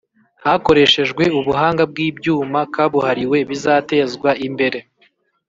hakoreshejwe ubuhanga bw'ibyuma kabuhariwe bizatezwa imbere